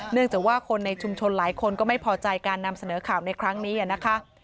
จากว่าคนในชุมชนหลายคนก็ไม่พอใจการนำเสนอข่าวในครั้งนี้นะคะ